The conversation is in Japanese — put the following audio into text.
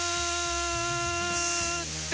って